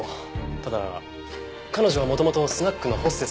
ただ彼女は元々スナックのホステスで。